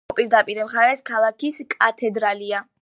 მოედანზე მის მოპირდაპირე მხარეს ქალაქის კათედრალია.